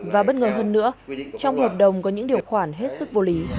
và bất ngờ hơn nữa trong hợp đồng có những điều khoản hết sức vô lý